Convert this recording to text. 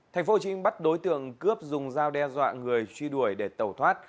thành phố hồ chí minh bắt đối tượng cướp dùng dao đe dọa người truy đuổi để tẩu thoát